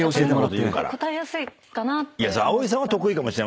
でも答えやすいかなって。